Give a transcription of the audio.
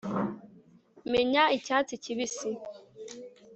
menya icyatsi kibisi